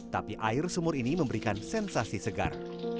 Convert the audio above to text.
tapi air sumur ini memberikan sensasi segar